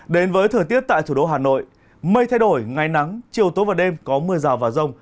đến với thời tiết tại thủ đô hà nội mây thay đổi ngày nắng chiều tối và đêm có mưa rào và rông